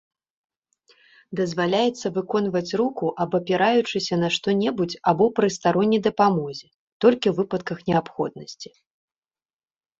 Дазваляецца выконваць руку абапіраючыся на што-небудзь або пры старонняй дапамозе, толькі ў выпадках неабходнасці.